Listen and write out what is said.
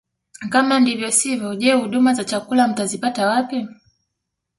Kama ndivyo sivyo je huduma za chakula mtazipata wapi